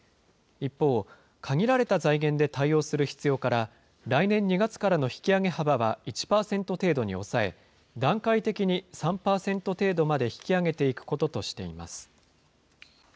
一方、限られた財源で対応する必要から、来年２月からの引き上げ幅は１％程度に抑え、段階的に３％程度まで引き上げていくこととしています。